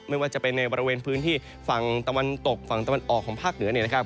ไม่ว่าจะเป็นในบริเวณพื้นที่ฝั่งตะวันตกฝั่งตะวันออกของภาคเหนือ